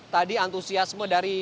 tadi antusiasme dari